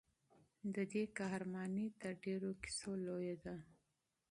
د دې قهرماني تر ډېرو کیسو لویه ده.